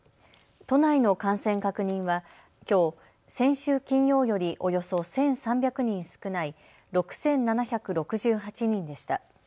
都内の感染確認はきょう先週金曜よりおよそ１３００人少ない６７６８人でした。